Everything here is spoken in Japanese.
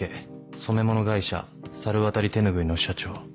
染物会社猿渡手ぬぐいの社長